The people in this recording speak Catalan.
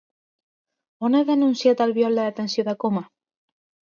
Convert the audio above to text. On ha denunciat Albiol la detenció de Coma?